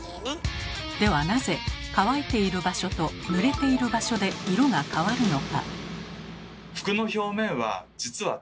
ではなぜ乾いている場所とぬれている場所で色が変わるのか？